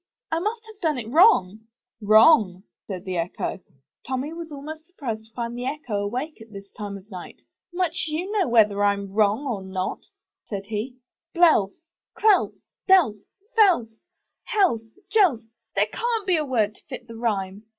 I must have done it wrong/' 'Wrong!" said the Echo. Tommy was almost surprised to find the echo awake at this time of night. *'Much you know whether Fm wrong or not," said he. "Belf ! Celf ! Delf ! Felf ! Helf ! Jelf ! There can't be a word to fit the rhyme.